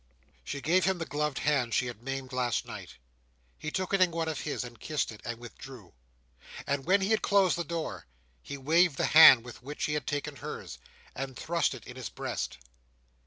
She gave him the gloved hand she had maimed last night. He took it in one of his, and kissed it, and withdrew. And when he had closed the door, he waved the hand with which he had taken hers, and thrust it in his breast.